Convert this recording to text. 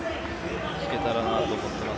聞けたらなと思っています。